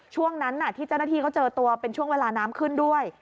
ช่วงนั้นที่เจ้าหน้าที่เขาเจอตัวเป็นช่วงเวลาน้ำขึ้นด้วย